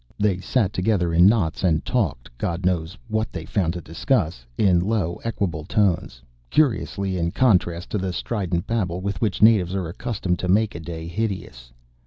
They sat together in knots and talked God only knows what they found to discuss in low equable tones, curiously in contrast to the strident babble with which natives are accustomed to make day hideous.